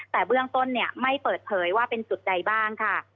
แต่เบื้องต้นไม่เปิดเผยว่าเป็นจุดใดบ้างค่ะ